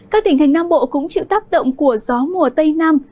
các tỉnh thành nam bộ cũng chịu tác động của gió mùa tây nam